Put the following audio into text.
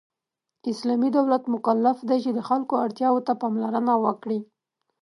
اسلامی دولت مکلف دی چې د خلکو اړتیاوو ته پاملرنه وکړي .